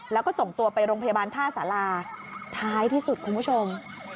แล้วก็ส่งตัวไปโรงพยาบาลท่าสาราท้ายที่สุดคุณผู้ชม